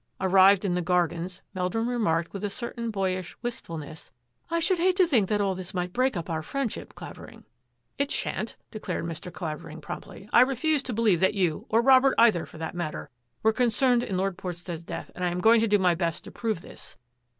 Arrived in the gardens, Meldrum remarked with a certain boyish wistfulness, " I should hate to think that all this might break up our friendship, Clavering." " It shan't !" declared Mr. Clavering promptly, " I refuse to believe that you, or Robert either for that matter, were concerned in Lord Portstead's death, and I am going to do my best to prove this."